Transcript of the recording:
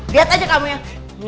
lihat aja kamu yang